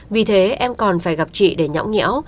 vì thế em còn phải gặp chị để nhõng nhẽo